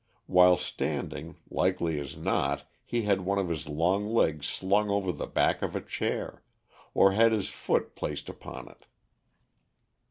While standing, likely as not, he had one of his long legs slung over the back of a chair; or had his foot placed upon it.